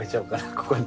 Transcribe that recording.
ここに。